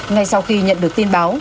ngay sau khi nhận được tin báo